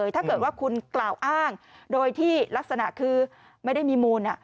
ถ้าเกิดว่าคุณกล่าวอ้างโดยที่ลักษณะคือไม่ได้มีมูล